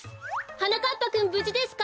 はなかっぱくんぶじですか？